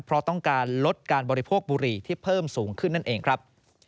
เพราะต้องการลดการบริโภคบุหรี่ที่เพิ่มสูงขึ้นนั่นเองครับ